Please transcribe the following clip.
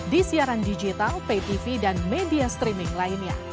di siaran digital pay tv dan media streaming lainnya